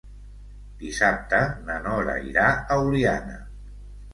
Dissabte na Nora irà a Oliana.